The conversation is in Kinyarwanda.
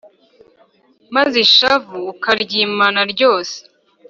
Maze ishavu ukaryimara ryose